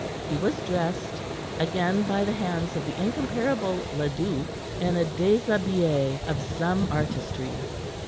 He was dressed, again by the hands of the incomparable Leduc, in a deshabille of some artistry.